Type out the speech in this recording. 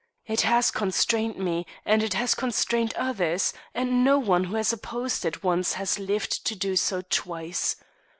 It has constrained me and it has constrained others, and no one who has opposed it once has lived to do so twice.